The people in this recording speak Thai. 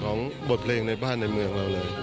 ของบทเพลงในบ้านในเมืองเราเลย